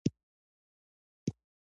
غوږونه د پلار مشورې په زړه ساتي